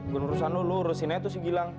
gue ngerusain lo lo urusin aja tuh si gilang